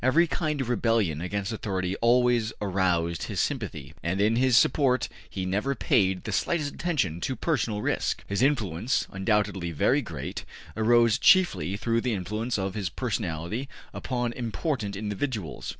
Every kind of rebellion against authority always aroused his sympathy, and in his support he never paid the slightest attention to personal risk. His influence, undoubtedly very great, arose chiefly through the influence of his personality upon important individuals.